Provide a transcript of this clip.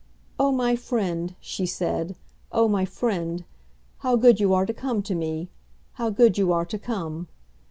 "Oh, my friend," she said; "oh, my friend! How good you are to come to me! How good you are to come!"